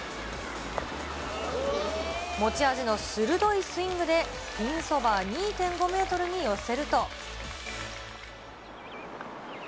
持ち味の鋭いスイングでピンそば２．５メートルに寄せると。